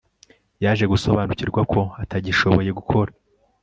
Yaje gusobanukirwa ko atagishoboye gukora